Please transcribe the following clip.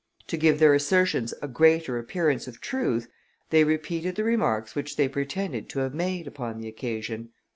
To give their assertions a greater appearance of truth, they repeated the remarks which they pretended to have made upon the occasion.